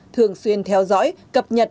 thường xuyên theo dõi cập nhật